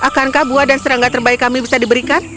akankah buah dan serangga terbaik kami bisa diberikan